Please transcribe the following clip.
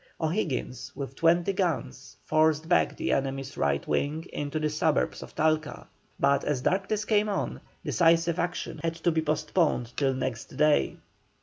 O'Higgins, with twenty guns, forced back the enemy's right wing into the suburbs of Talca, but as darkness came on, decisive action had to be postponed till next day.